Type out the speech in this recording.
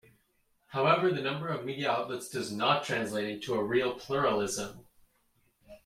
However, the number of media outlets does not translate into a real pluralism.